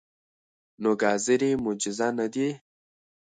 نو ګازرې معجزه نه دي.